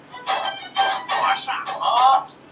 د خالق عبادت په پوهې سره وکړئ.